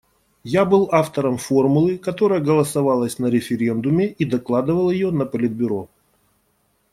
Я был автором формулы, которая голосовалась на референдуме и докладывал её на Политбюро.